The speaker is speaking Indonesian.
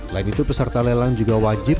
lain itu peserta lelang juga wajib